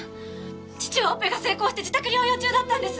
父はオペが成功して自宅療養中だったんです。